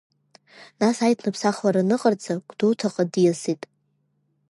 Нас аиҭныԥсахлара аныҟарҵа Гәдоуҭаҟа диасит…